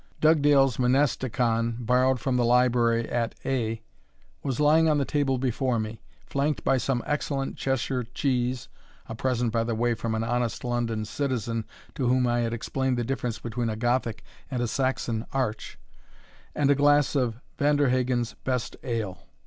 Dugdale's Monasticon, borrowed from the library at A , was lying on the table before me, flanked by some excellent Cheshire cheese, (a present, by the way, from an honest London citizen, to whom I had explained the difference between a Gothic and a Saxon arch,) and a glass of Vanderhagen's best ale.